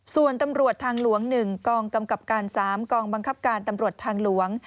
ส่วนตำรวจทางหลวง๑กองกำกับการ๓กองบังคับการตำรวจทางหลวง